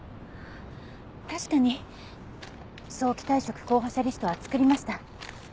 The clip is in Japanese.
確かに早期退職候補者リストは作りました。